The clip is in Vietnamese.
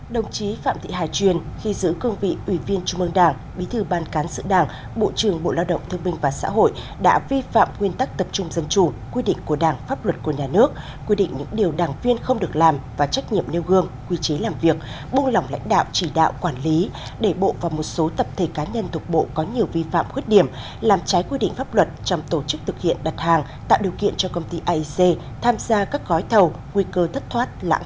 đồng chí phạm thị hải truyền khi giữ cương vị ủy viên trung mương đảng bí thư ban cán sự đảng bộ trưởng bộ lao động thương minh và xã hội đã vi phạm nguyên tắc tập trung dân chủ quy định của đảng pháp luật của nhà nước quy định về những điều đảng viên không được làm và trách nhiệm nêu gương quy chế làm việc buông lỏng lãnh đạo chỉ đạo quản lý đệ bộ và một số tập thể cá nhân thuộc bộ có nhiều vi phạm khuyết điểm làm trái quy định pháp luật trong tổ chức thực hiện đặt hàng tạo điều kiện cho công ty aec tham gia các gói thầu nguy cơ thất